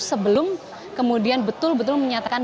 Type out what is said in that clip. sebelum kemudian betul betul menyatakan